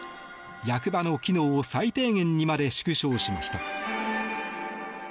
役場の機能を最低限にまで縮小しました。